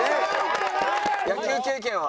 野球経験は？